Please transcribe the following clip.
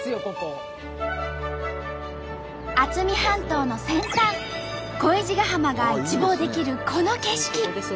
渥美半島の先端恋路ヶ浜が一望できるこの景色。